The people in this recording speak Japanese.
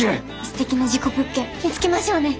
素敵な事故物件見つけましょうね。